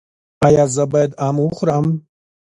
ایا زه باید ام وخورم؟